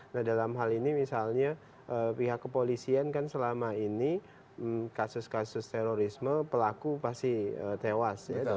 nah dalam hal ini misalnya pihak kepolisian kan selama ini kasus kasus terorisme pelaku pasti tewas